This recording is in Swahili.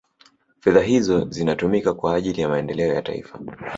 fedha hizo zinatumika kwa ajili ya maendeleo ya taifa